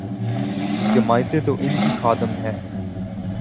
جماعتیں تو ان کی خادم ہیں۔